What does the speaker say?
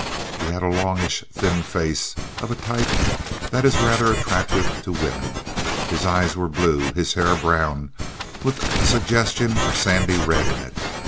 He had a longish, thin face of a type that is rather attractive to women. His eyes were blue, his hair brown, with a suggestion of sandy red in it.